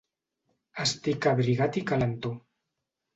Estic abrigat i calentó.